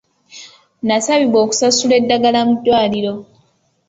Nasabibwa okusasula eddagala mu ddwaliro.